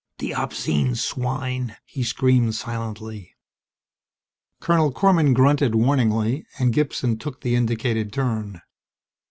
The obscene swine! he screamed silently. Colonel Korman grunted warningly, and Gibson took the indicated turn.